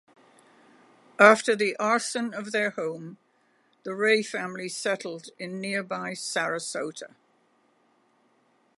After the arson of their home, the Ray Family settled in nearby Sarasota.